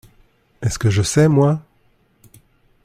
Est-ce que je sais, moi ?…